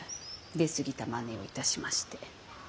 出すぎたまねをいたしまして。